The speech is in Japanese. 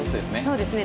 そうですね。